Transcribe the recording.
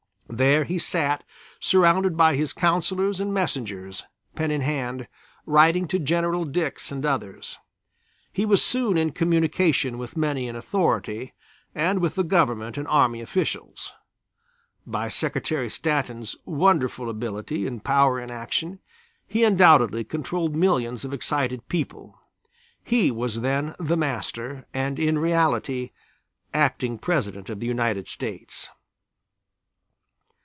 There he sat, surrounded by his counsellors and messengers, pen in hand, writing to General Dix and others. He was soon in communication with many in authority and with the Government and army officials. By Secretary Stanton's wonderful ability and power in action, he undoubtedly controlled millions of excited people. He was then the Master, and in reality Acting President of the United States.